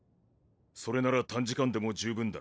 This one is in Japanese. それなら短時間でも十分だろう。